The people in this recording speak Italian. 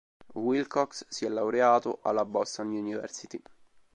Wilcox si è laureato alla Boston University.